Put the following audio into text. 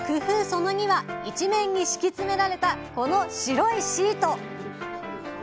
その２は「一面に敷き詰められたこの白いシート」！